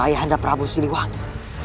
ayah anda prabu siliwanya